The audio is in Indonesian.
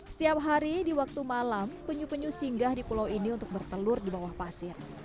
setiap hari di waktu malam penyu penyu singgah di pulau ini untuk bertelur di bawah pasir